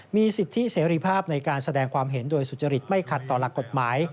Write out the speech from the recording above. มีสิทธิเสรีภาพในการแสดงความเห็นโดยสุจริตไม่ขัดต่อหลักกฎหมาย